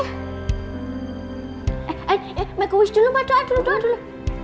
eh eh eh make a wish dulu mbak doa dulu doa dulu